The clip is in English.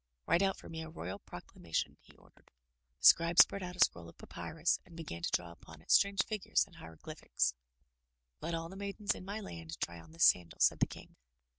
"Write out for me a royal proclamation," he ordered. The Scribe spread out a scroll of papyrus and began to draw upon it strange figures and hieroglyphics. "Let all the maidens in my land try on this sandal," said the King.